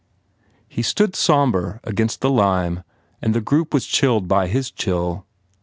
He stood sombre against the lime and the group was chilled by his chill.